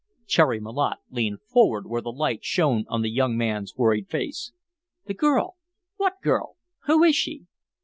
Cherry Malotte leaned forward where the light shone on the young man's worried face. "The girl? What girl? Who is she?"